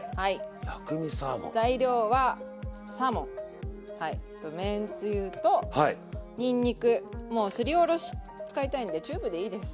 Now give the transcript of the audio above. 材料はサーモンあとめんつゆとにんにくもうすりおろし使いたいんでチューブでいいです。